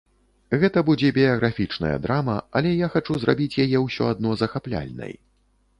Гэта будзе біяграфічная драма, але я хачу зрабіць яе ўсё адно захапляльнай.